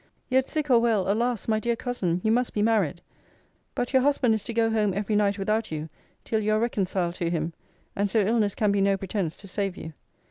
Yet, sick or well, alas! my dear cousin! you must be married. But your husband is to go home every night without you, till you are reconciled to him. And so illness can be no pretence to save you.